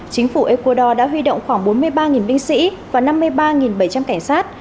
chính phủ ecuador đã huy động khoảng bốn mươi ba binh sĩ và năm mươi ba bảy trăm linh cảnh sát